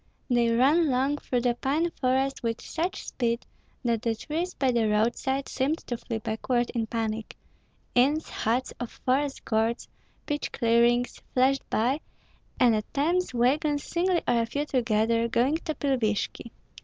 They ran long through the pine forest with such speed that the trees by the roadside seemed to flee backward in panic; inns, huts of forest guards, pitch clearings, flashed by, and at times wagons singly or a few together, going to Pilvishki.